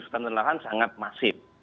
hutan dan lahan sangat masif